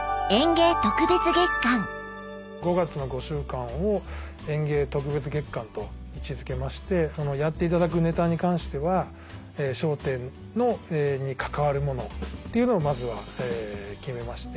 ５月の５週間を演芸特別月間と位置付けましてやっていただくネタに関しては『笑点』に関わるものっていうのをまずは決めまして。